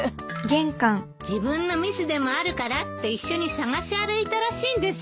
自分のミスでもあるからって一緒に探し歩いたらしいんです。